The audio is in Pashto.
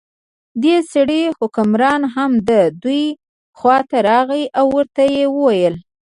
دې سره حکمران هم د دوی خواته راغی او ورته یې وویل.